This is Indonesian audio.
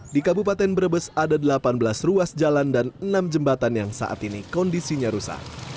di kabupaten brebes ada delapan belas ruas jalan dan enam jembatan yang saat ini kondisinya rusak